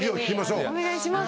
お願いします。